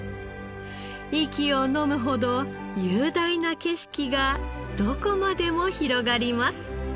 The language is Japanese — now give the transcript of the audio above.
息をのむほど雄大な景色がどこまでも広がります。